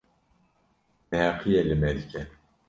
neheqiyê li me dike.